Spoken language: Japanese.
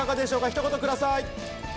ひと言ください。